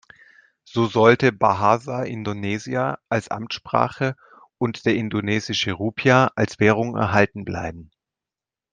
So sollte Bahasa Indonesia als Amtssprache und der indonesische Rupiah als Währung erhalten bleiben.